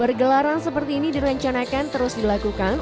pergelaran seperti ini direncanakan terus dilakukan